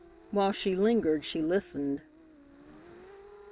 While she lingered she listened.